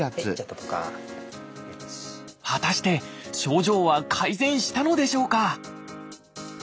果たして症状は改善したのでしょうか？